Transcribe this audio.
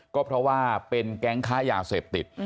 ก็เพราะว่าเป็นแก๊งค้ายาเสพติด